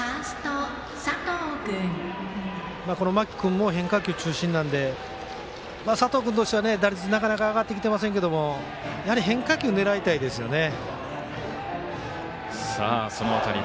この間木君も変化球中心なんで佐藤君としては、打率上がってきていませんけどもやはり変化球、狙いたいですよね。